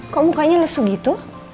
kok mukanya lesu gitu